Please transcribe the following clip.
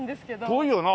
遠いよな？